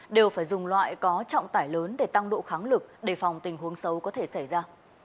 đều phải dùng loại có trọng tải lớn để tăng độ kháng lực đề phòng tình huống xấu có thể xảy ra